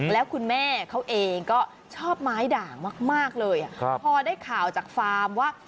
แล้วคุณแม่เขาเองก็ชอบไม้ด่างมากเลยพอได้ข่าวจากฟาร์มว่า